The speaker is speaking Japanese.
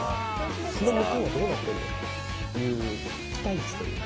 その向こうどうなってるの？という期待値というか。